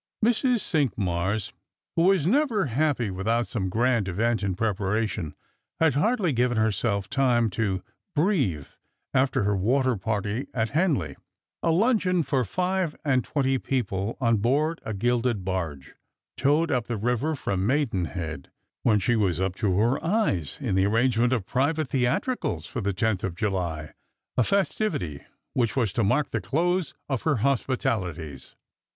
Mrs. Cinqmars, who was never happy without some grand event in preparation, ha'd hardly given herself time to breathe after her water party at Henley — a luncheon for five and twenty people on board a gilded barge, towed up the river from Maiden head — when she was up to her eyes in the arrangement of pri vate theatricals for the tenth of July — a festivity which was to mark the close of her hospitalities.